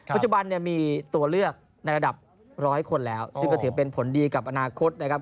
ปัจจุบันเนี่ยมีตัวเลือกในระดับร้อยคนแล้วซึ่งก็ถือเป็นผลดีกับอนาคตนะครับ